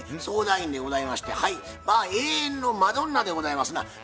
相談員でございまして永遠のマドンナでございますな